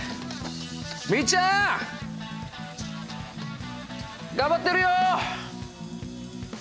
みいちゃん！頑張ってるよ！